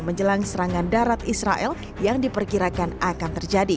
dengan banyaknya warga yang diperlukan